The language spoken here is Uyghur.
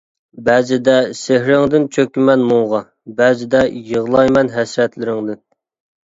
بەزىدە سېھرىڭدىن چۆكىمەن مۇڭغا، بەزىدە يىغلايمەن ھەسرەتلىرىڭدىن.